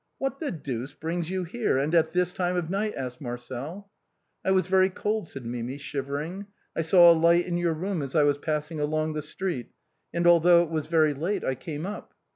" What the deuce brings you here and at this time of night ?" asked Marcel. " I was very cold," said Mimi, shivering ;" I saw a light in your room as I was passing along the street, and although it was very late I came up."